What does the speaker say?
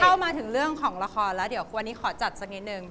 เข้ามาถึงเรื่องของละครวันนี้ขอจัดซะนิดนึง